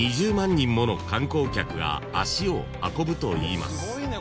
人もの観光客が足を運ぶといいます］